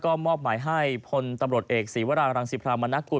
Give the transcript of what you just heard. ก็มอบหมายให้พลตำรวจเอกศีวรารังสิพรามนกุล